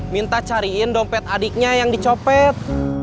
minta cariin dompet adiknya yang dicopet